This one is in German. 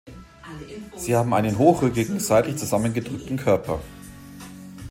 Sie haben einen hochrückigen, seitlich zusammengedrückten Körper.